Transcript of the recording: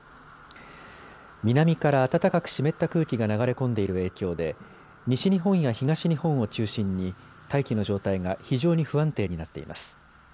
南から暖かく湿った空気が流れ込んでいる影響で西日本や東日本を中心に大気の状態が非常に不安定になっています。